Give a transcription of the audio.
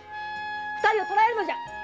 二人を捕えるのじゃ！